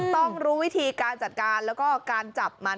ต้องรู้วิธีการจัดการแล้วก็การจับมัน